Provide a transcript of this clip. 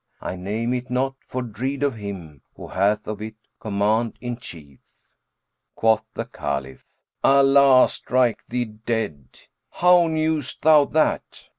I name it not, for dread of him * Who hath of it command in chief." Quoth the Caliph, "Allah strike thee dead![FN#391] How knewest thou that?